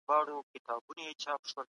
دولت د نورو سازمانونو د تنظیم وړتیا لري.